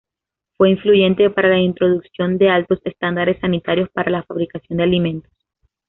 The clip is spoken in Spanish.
Fue influyente para la introducción de altos estándares sanitarios para la fabricación de alimentos.